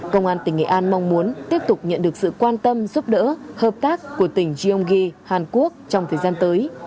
công an tỉnh nghệ an mong muốn tiếp tục nhận được sự quan tâm giúp đỡ hợp tác của tỉnh gyeonggi hàn quốc trong thời gian tới